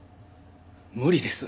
無理です。